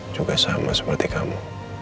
juga sama seperti kamu